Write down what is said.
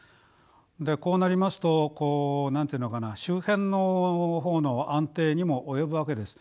こうなりますと何て言うのかな周辺の方の安定にも及ぶわけです。